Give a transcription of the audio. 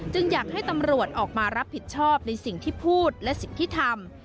อยากให้ตำรวจออกมารับผิดชอบในสิ่งที่พูดและสิ่งที่ทำ